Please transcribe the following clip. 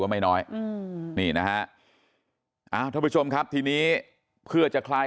ไม่น้อยอืมนี่นะฮะอ่าท่านผู้ชมครับทีนี้เพื่อจะคลาย